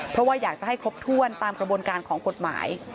เพราะว่าอยากจะให้ครบถ้วนตามกระบวนการของกฎหมาย